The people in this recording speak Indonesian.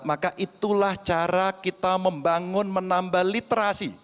maka itulah cara kita membangun menambah literasi